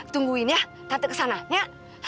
tungguin ya tante kesana ya